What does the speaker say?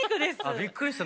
びっくりした。